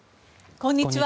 こんにちは。